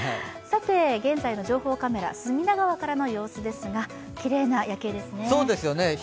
現在の情報カメラ、隅田川からの様子ですが、きれいな夜景ですね。